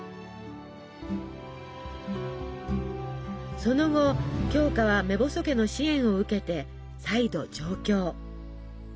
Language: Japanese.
その後鏡花は目細家の支援を受けて再度上京。